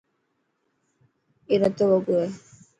اي رتو وڳو هي.